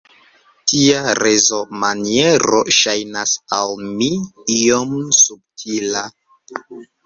Tia rezonmaniero ŝajnas al mi iom subtila.